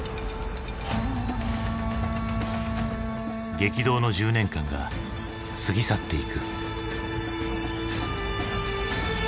激動の１０年間が過ぎ去っていく。